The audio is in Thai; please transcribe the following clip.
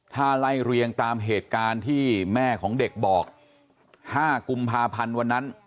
ถ้าไล่เรียงตามเหตุการณ์ที่แม่ของเด็กบอก๕กุมภาพันธ์วันนั้น